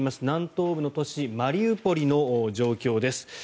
南東部の都市マリウポリの状況です。